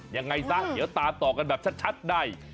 ยังไงซะเดี๋ยวตามต่อกันแบบชัดใน